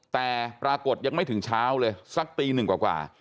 แต่ปรากฏยังไม่ถึงเช้าเลยสักตีหนึ่งกว่า